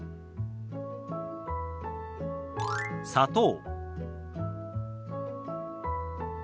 「砂糖」。